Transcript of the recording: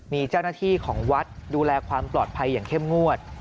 มีเจ้าหน้าที่ของวัดดูแลความปลอดภัยอย่างเข้มงวด